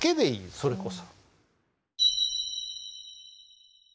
それこそ。